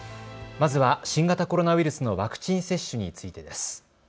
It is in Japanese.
まずは新型コロナウイルスのワクチン接種についてです。